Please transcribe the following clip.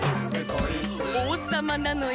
「おうさまなのよ！」